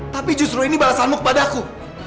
tapi justru ini balasanmu kepada aku